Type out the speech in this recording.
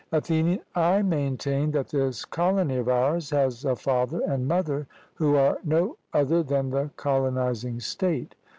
ATHENIAN: I maintain that this colony of ours has a father and mother, who are no other than the colonizing state.